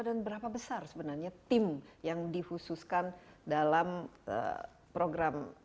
dan berapa besar sebenarnya tim yang dihususkan dalam program